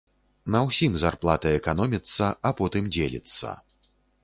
На ўсім зарплата эканоміцца, а потым дзеліцца.